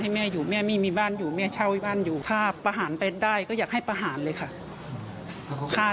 ให้ได้รับโทษประหารตายตกไปตามกัน